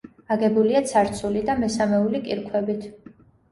აგებულია ცარცული და მესამეული კირქვებით.